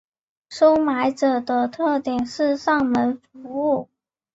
收买者的特色是上门服务。